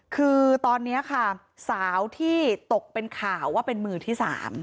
คือตอนนี้ค่ะสาวที่ตกเป็นข่าวว่าเป็นมือที่๓